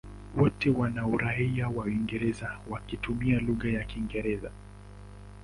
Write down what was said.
Wote wana uraia wa Uingereza wakitumia lugha ya Kiingereza.